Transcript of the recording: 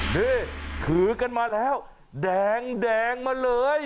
นี่ถือกันมาแล้วแดงมาเลย